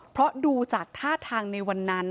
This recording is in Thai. เพราะดูจากท่าทางในวันนั้น